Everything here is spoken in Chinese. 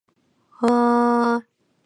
我对于战国历史十分了解